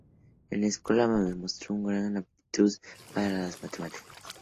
En la escuela demostró una gran aptitud para la matemáticas.